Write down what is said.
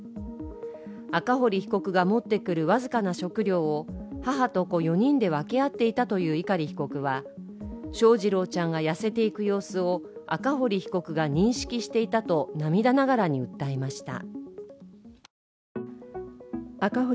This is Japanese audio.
赤堀被告が持ってくる僅かな食料を母と子４人で分け合っていたという碇被告は翔士郎ちゃんが痩せていく様子を赤堀被告が認識していたと涙ながらに訴えました。